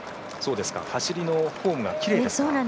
走りのフォームがきれいですか。